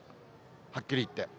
はっきり言って。